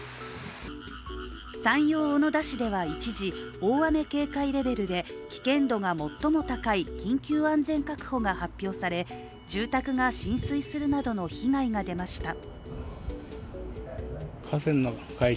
山陽小野田市では一時、大雨警戒レベルで危険度が最も高い緊急安全確保が発表され住宅が浸水するなどの被害が出ました。